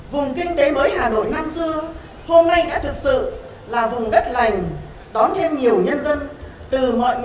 vùng kinh tế mới hà nội năm xưa hôm nay đã thực sự là vùng đất lành đón thêm nhiều nhân dân từ mọi miền